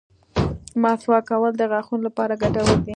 مسواک کول د غاښونو لپاره ګټور دي.